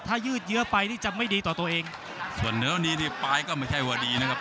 ถ้ายืดเยอะไปนี่จะไม่ดีต่อตัวเองส่วนเหนือวันนี้นี่ปลายก็ไม่ใช่ว่าดีนะครับ